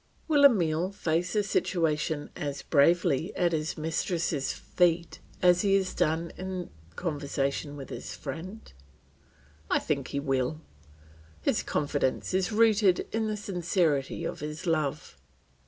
Will Emile face the situation as bravely at his mistress' feet as he has done in conversation with his friend? I think he will; his confidence is rooted in the sincerity of his love.